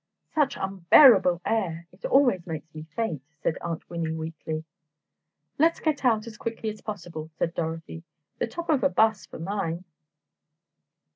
"Such unbearable air! It always makes me faint," said Aunt Winnie, weakly. "Let's get out as quickly as possible," said Dorothy, "the top of a 'bus for mine!"